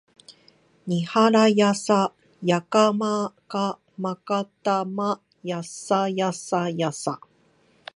にはらやさやかまかまかたまやさやさやさ